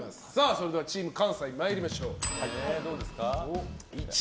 それではチーム関西参りましょう。